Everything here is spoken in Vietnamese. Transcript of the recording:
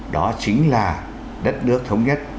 đó chính là đất nước thống nhất